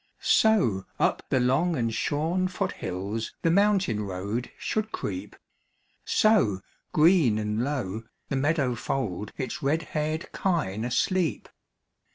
So up the long and shorn foot hills The mountain road should creep; So, green and low, the meadow fold Its red haired kine asleep.